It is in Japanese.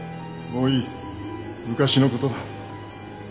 もういい昔の事だ。